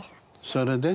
それで？